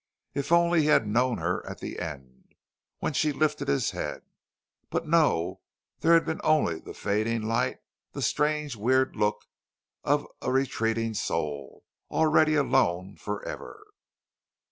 If only he had known her at the end when she lifted his head! But no there had been only the fading light the strange, weird look of a retreating soul, already alone forever.